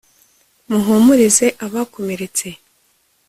muhumurize abakomeretse